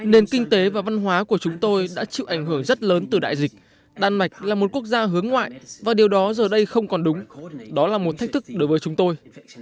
nền kinh tế và văn hóa của chúng tôi đã chịu ảnh hưởng rất lớn từ đại dịch đan mạch là một quốc gia hướng ngoại và điều đó giờ đây không còn đúng đó là một thách thức đối với chúng tôi